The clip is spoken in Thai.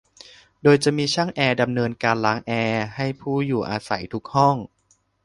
โดยจะมีช่างแอร์ดำเนินการล้างแอร์ให้ผู้อยู่อาศัยทุกห้อง